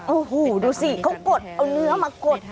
โอ้โหดูสิเขากดเอาเนื้อมากด